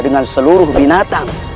dengan seluruh binatang